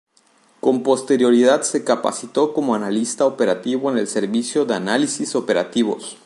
Con posterioridad se capacitó como Analista Operativo en el Servicio de Análisis Operativos.